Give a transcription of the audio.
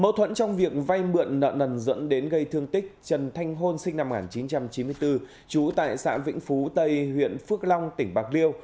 mâu thuẫn trong việc vay mượn nợ nần dẫn đến gây thương tích trần thanh hôn sinh năm một nghìn chín trăm chín mươi bốn trú tại xã vĩnh phú tây huyện phước long tỉnh bạc liêu